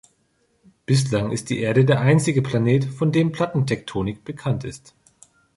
Bislang ist die Erde der einzige Planet, von dem Plattentektonik bekannt ist.